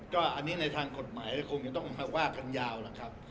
ก็อันนี้ในทางกฎหมายก็คงจะต้องมาว่ากันยาวนะครับ